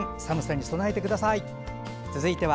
寒さに備えてください。